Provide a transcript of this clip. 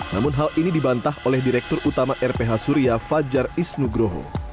namun hal ini dibantah oleh direktur utama rph surya fajar isnugroho